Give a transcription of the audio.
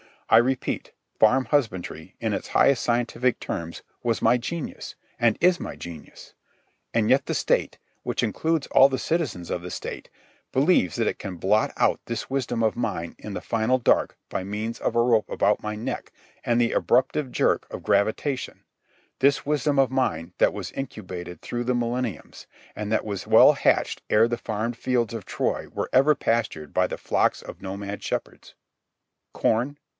I repeat, farm husbandry, in its highest scientific terms, was my genius, and is my genius. And yet the state, which includes all the citizens of the state, believes that it can blot out this wisdom of mine in the final dark by means of a rope about my neck and the abruptive jerk of gravitation—this wisdom of mine that was incubated through the millenniums, and that was well hatched ere the farmed fields of Troy were ever pastured by the flocks of nomad shepherds! Corn?